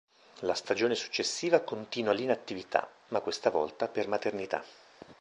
La stagione successiva continua l'inattività, ma questa volta per maternità.